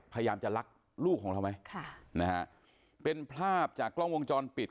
พยายามจะรักลูกของเราไว้ค่ะนะฮะเป็นภาพจากกล้องวงจรปิด